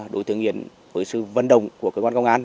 đối tượng hiến với sự vận động của cơ quan công an